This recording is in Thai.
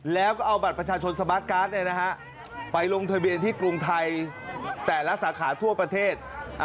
แล้วก็เอาบัตรประชาชนสมาร์ทการ์ดไปลงทะเบียนที่กรุงไทยแต่ละสาขาทั่วประเทศ